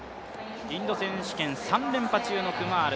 インド選手権３連覇中のクマール。